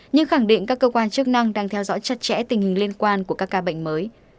nhưng khẳng định các cơ quan chức năng đang theo dõi chặt chẽ tình hình liên quan của các ca bệnh mới